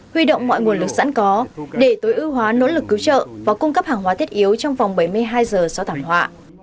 huy động mọi nguồn lực sẵn có để tối ưu hóa nỗ lực cứu trợ và cung cấp hàng hóa thiết yếu trong vòng bảy mươi hai giờ sau thảm họa